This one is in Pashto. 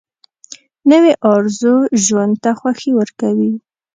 نوې ارزو ژوند ته خوښي ورکوي